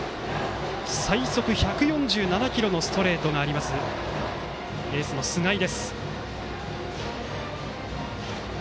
最速１４７キロのストレートがあるエースの菅井。